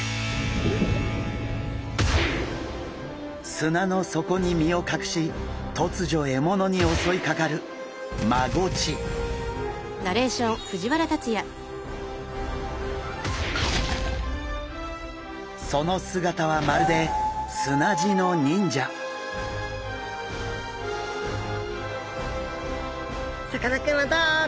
砂の底に身を隠し突如獲物に襲いかかるその姿はまるでさかなクンはどこだ？